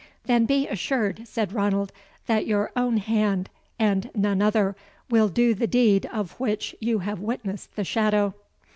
"Then be assured," said Ranald, "that your own hand, and none other, will do the deed of which you have witnessed the shadow."